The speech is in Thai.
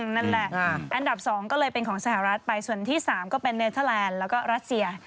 นั่นแหละอันดับ๒ก็เลยเป็นของสหรัฐไปส่วนที่๓ก็เป็นเนเทอร์แลนด์แล้วก็รัสเซีย